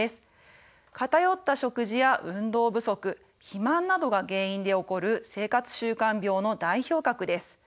偏った食事や運動不足肥満などが原因で起こる生活習慣病の代表格です。